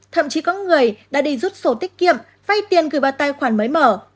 thậm chí có người đã đi rút sổ tích kiệm phay tiền gửi vào tài khoản mới mở